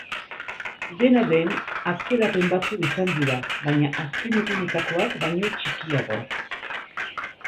Dena den, atzerapen batzuk izan dira, baina azken egunetakoak baino txikiagoak.